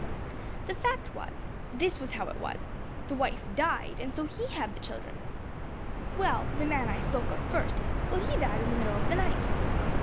The fact was this was how it was the wife died, and so he had the children. Well, the man I spoke of first, well, he died in the middle of the night."